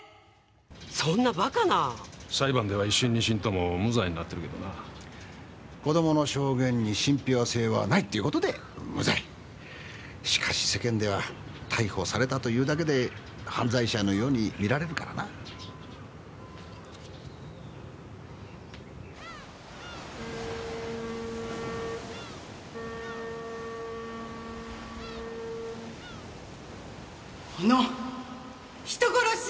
そんなバカな裁判では１審・２審とも無罪になってるけどな子どもの証言に信憑性はないっていうことで無罪しかし世間では逮捕されたというだけで犯罪者のように見られるからなこの人殺し！